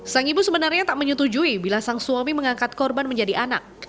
sang ibu sebenarnya tak menyetujui bila sang suami mengangkat korban menjadi anak